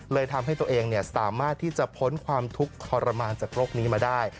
เลยทำให้ตัวเองสามารถที่จะพ้นความทุกข์ทรมานจากโรคนี้มาได้